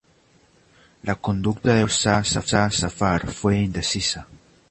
La conducta de Bahadur Shah Zafar fue indecisa.